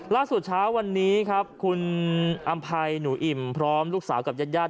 เช้าวันนี้ครับคุณอำภัยหนูอิ่มพร้อมลูกสาวกับญาติญาติ